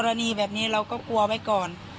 รณีแบบนี้เราก็กลัวไว้ก่อน